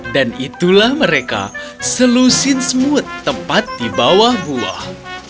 dan itulah mereka selusin semut tepat di bawah buah